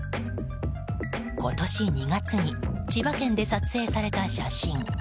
今年２月に千葉県で撮影された写真。